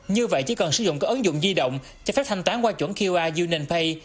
như vậy chỉ cần sử dụng các ứng dụng di động cho phép thanh toán qua chuẩn qr unionpay